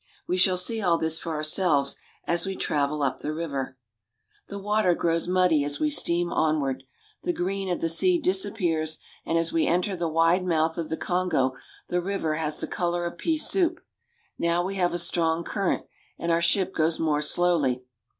We shall see all this for our selves as we travel up the river. The water grows muddy as we steam onward. The green of the sea disappears, and as we enter the wide mouth of the Kongo the river has the color of pea soup. Now we have a strong current, and our ship goes more slowly.